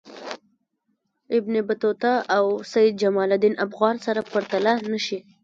ابن بطوطه او سیدجماالدین افغان سره پرتله نه شي.